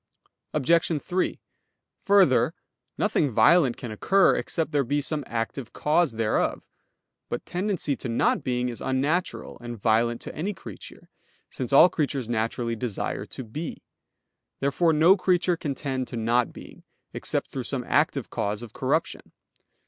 Obj. 3: Further, nothing violent can occur, except there be some active cause thereof. But tendency to not being is unnatural and violent to any creature, since all creatures naturally desire to be. Therefore no creature can tend to not being, except through some active cause of corruption.